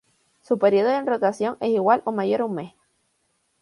Su período de rotación es igual o mayor a un mes.